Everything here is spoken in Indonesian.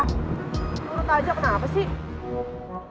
turut aja kenapa sih